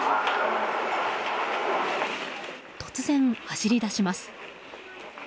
突然走り出します。